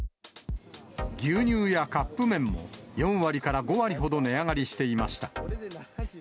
牛乳やカップ麺も、４割から５割ほど値上がりしていました。